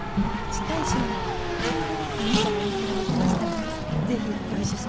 近い将来あの子のお店が出来ましたら是非ご一緒しましょう。